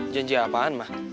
janji apaan ma